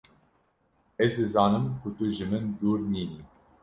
Ez dizanim ku tu ji min dûr nîn î